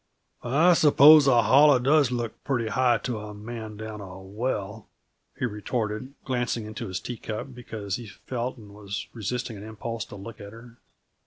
"I suppose a hollow does look pretty high, to a man down a well," he retorted, glancing into his teacup because he felt and was resisting an impulse to look at her.